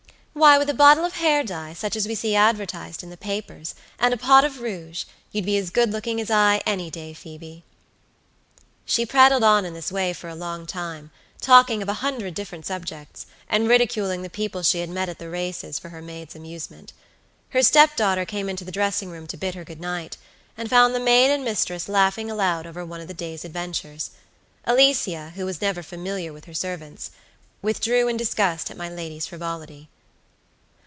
Why, with a bottle of hair dye, such as we see advertised in the papers, and a pot of rouge, you'd be as good looking as I, any day, Phoebe." She prattled on in this way for a long time, talking of a hundred different subjects, and ridiculing the people she had met at the races, for her maid's amusement. Her step daughter came into the dressing room to bid her good night, and found the maid and mistress laughing aloud over one of the day's adventures. Alicia, who was never familiar with her servants, withdrew in disgust at my lady's frivolity.